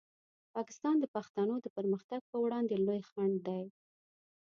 پاکستان د پښتنو د پرمختګ په وړاندې لوی خنډ دی.